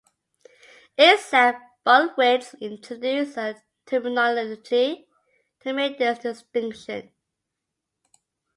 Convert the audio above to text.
Isaac Bonewits introduced a terminology to make this distinction.